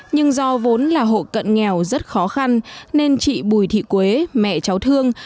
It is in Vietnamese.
nhưng do vốn là hộ cận nghèo rất khó khăn nên chị bùi thị quế mẹ cháu thương